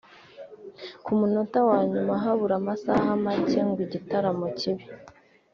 ku munota wa nyuma habura amasaha make ngo igitaramo kibe